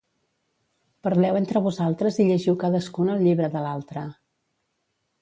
Parleu entre vosaltres i llegiu cadascun el llibre de l’altre.